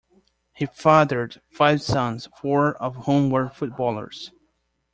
He fathered five sons, four of whom were footballers.